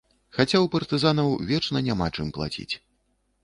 Хаця ў партызанаў вечна няма чым плаціць.